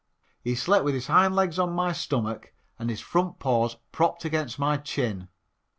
He slept with his hind legs on my stomach and his front paws propped against my chin.